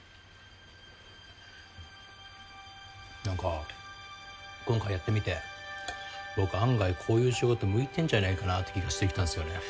何か今回やってみて僕案外こういう仕事向いてんじゃないかなって気がしてきたんすよね。